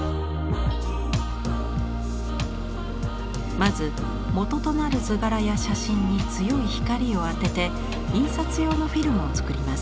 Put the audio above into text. まずもととなる図柄や写真に強い光を当てて印刷用のフィルムを作ります。